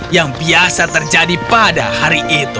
yang biasa terjadi pada hari itu